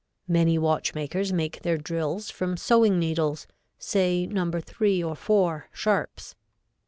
Many watchmakers make their drills from sewing needles, say No. 3 or 4, sharps.